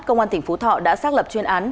công an tỉnh phú thọ đã xác lập chuyên án